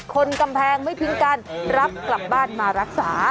คนกำแพงไม่ทิ้งกันรับกลับบ้านมารักษา